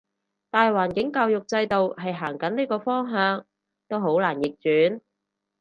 大環境教育制度係行緊呢個方向，都好難逆轉